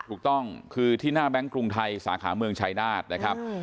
ถูกต้องคือที่หน้าแบงค์กรุงไทยสาขาเมืองชายนาฏนะครับ